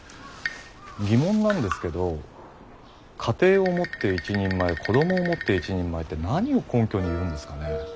疑問なんですけど家庭を持って一人前子どもを持って一人前って何を根拠に言うんですかね？